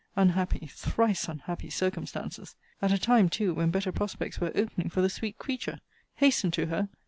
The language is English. Unhappy, thrice unhappy circumstances! At a time too, when better prospects were opening for the sweet creature! Hasten to her!